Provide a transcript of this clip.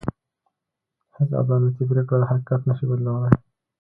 هېڅ عدالتي پرېکړه حقيقت نه شي بدلولی.